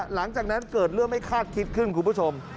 หลังจากนั้นเกิดเรื่องไม่คาดคิดขึ้นคุณผู้ชม